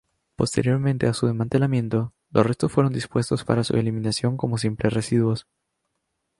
Posteriormente a su desmantelamiento, los restos fueron dispuestos para su eliminación como simples residuos.